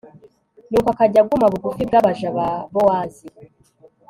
Nuko akajya aguma bugufi bw abaja ba Bowazi